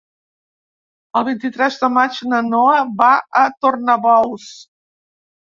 El vint-i-tres de maig na Noa va a Tornabous.